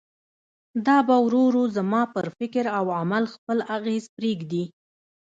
دا به ورو ورو زما پر فکر او عمل خپل اغېز پرېږدي.